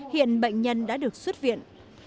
hiện bệnh nhân đã được xuất viện